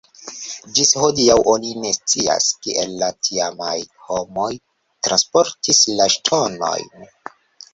Ĝis hodiaŭ oni ne scias, kiel la tiamaj homoj transportis la ŝtonojn.